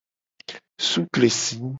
Sukesi.